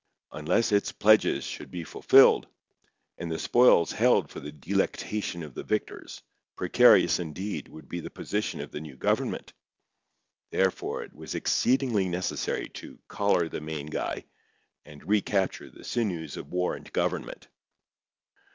Unless its pledges should be fulfilled, and the spoils held for the delectation of the victors, precarious indeed, would be the position of the new government. Therefore it was exceeding necessary to "collar the main guy," and recapture the sinews of war and government.